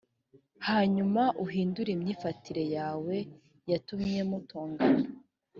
hanyuma uhindure imyifatire yawe yatumye mutongana